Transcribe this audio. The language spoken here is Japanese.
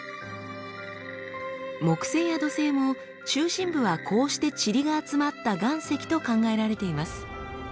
木星や土星も中心部はこうしてチリが集まった岩石と考えられています。